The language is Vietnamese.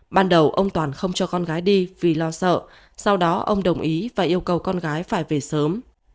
ban đầu ông toàn không cho con gái đi vì lo sợ sau đó ông đồng ý và yêu cầu con gái phải về sớm